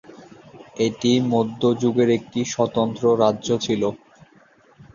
এটি মধ্যযুগে একটি স্বতন্ত্র রাজ্য ছিল।